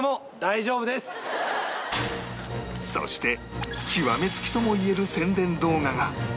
そして極めつきともいえる宣伝動画が